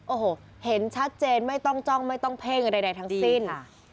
โอ้โหเห็นชัดเจนไม่ต้องจ้องไม่ต้องเพ่งใดทั้งสิ้น